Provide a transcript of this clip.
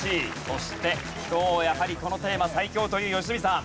そして今日やはりこのテーマ最強という良純さん。